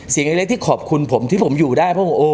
เสียงเล็กที่ขอบคุณผมที่ผมอยู่ได้